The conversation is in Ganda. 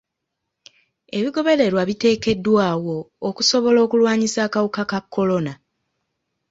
Ebigobererwa biteekeddwawo okusobola okulwanyisa akawuka ka kolona.